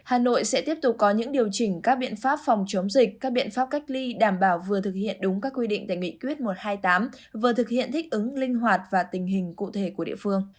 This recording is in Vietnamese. hà nội sẽ tiếp tục có những điều chỉnh các biện pháp phòng chống dịch các biện pháp cách ly đảm bảo vừa thực hiện đúng các quy định tại nghị quyết một trăm hai mươi tám vừa thực hiện thích ứng linh hoạt và tình hình cụ thể của địa phương